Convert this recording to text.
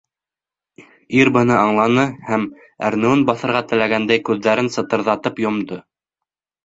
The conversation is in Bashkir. Ир быны аңланы һәм, әрнеүен баҫырға теләгәндәй, күҙҙәрен сытырҙатып йомдо.